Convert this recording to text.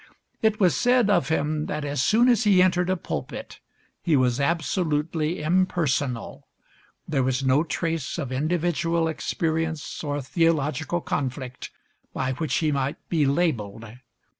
It was said of him that as soon as he entered a pulpit he was absolutely impersonal. There was no trace of individual experience or theological conflict by which he might be labeled.